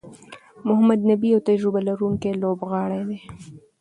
محمد نبي یو تجربه لرونکی لوبغاړی دئ.